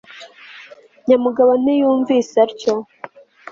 nyamugabo ntiyumvise atyo